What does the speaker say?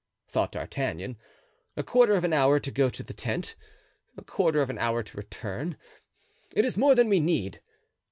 thought D'Artagnan; "a quarter of an hour to go to the tent, a quarter of an hour to return; it is more than we need."